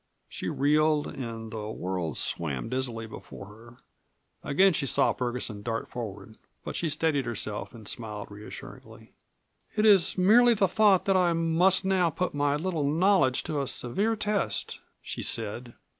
She reeled and the world swam dizzily before her. Again she saw Ferguson dart forward, but she steadied herself and smiled reassuringly. "It is merely the thought that I must now put my little knowledge to a severe test," she said.